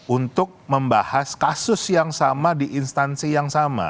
untuk membahas kasus yang sama di instansi yang sama